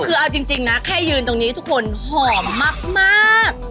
คือเอาจริงนะแค่ยืนตรงนี้ทุกคนหอมมาก